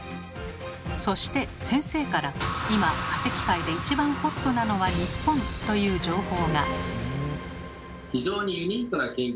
そして先生から「今化石界で一番ホットなのは日本」という情報が。